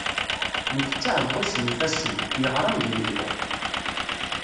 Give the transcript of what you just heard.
Nekk d taɛebbajt n yifassen, yeɣran di lelwan.